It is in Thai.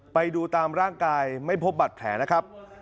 ไปดูตามร่างกายไม่พบบัตรแผลนะครับ